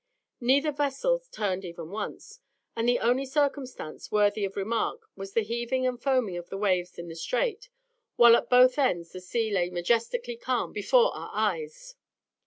Neither vessels turned even once, and the only circumstance worthy of remark was the heaving and foaming of the waves in the Strait, while at both ends the sea lay majestically calm before our eyes.